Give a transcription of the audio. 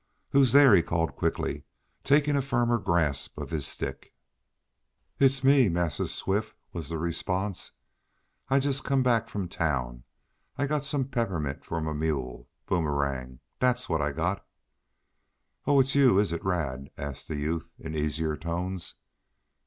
"Who's there?" he called quickly, taking a firmer grasp of his stick. "It's me, Massa Swift," was the response. "I jest come back from town. I got some peppermint fo' mah mule, Boomerang, dat's what I got." "Oh! It's you, is it, Rad?" asked the youth in easier tones.